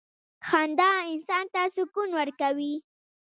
• خندا انسان ته سکون ورکوي.